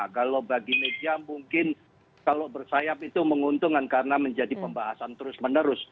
kalau bagi media mungkin kalau bersayap itu menguntungkan karena menjadi pembahasan terus menerus